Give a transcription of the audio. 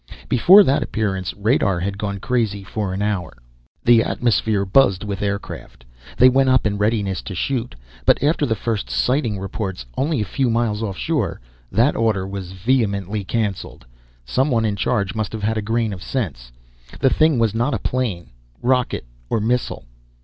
Before that appearance, radar had gone crazy for an hour. The atmosphere buzzed with aircraft. They went up in readiness to shoot, but after the first sighting reports only a few miles offshore, that order was vehemently canceled someone in charge must have had a grain of sense. The thing was not a plane, rocket or missile.